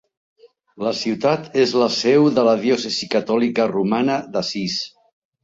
La ciutat és la seu de la diòcesi catòlica romana d'Assís.